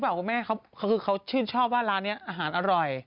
ไม่อย่างนี้หรือเปล่าว่าแม่เขาชื่นชอบว่าร้านนี้อาหารอร่อย